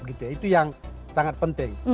itu yang sangat penting